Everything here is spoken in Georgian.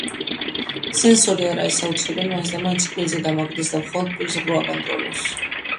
სენსორი არ არის აუცილებელი მაინც და მაინც კბილზე დამაგრდეს და მხოლოდ პირის ღრუ აკონტროლოს.